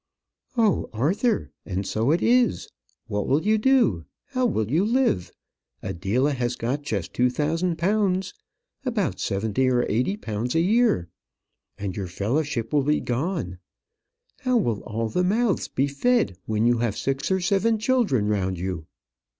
"Oh, Arthur, and so it is. What will you do? How will you live? Adela has got just two thousand pounds about seventy or eighty pounds a year. And your fellowship will be gone. Oh, Arthur, how will all the mouths be fed when you have six or seven children round you?"